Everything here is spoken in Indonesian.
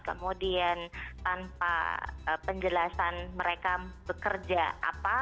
kemudian tanpa penjelasan mereka bekerja apa